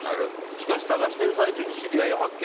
しかし探している最中に知り合いを発見。